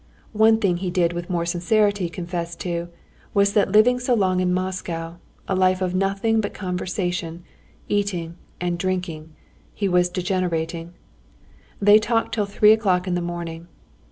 One thing he did with more sincerity confess to was that living so long in Moscow, a life of nothing but conversation, eating and drinking, he was degenerating. They talked till three o'clock in the morning.